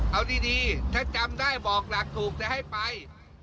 เอาดีถ้าจำได้บอกหลักถูกแต่ให้ไป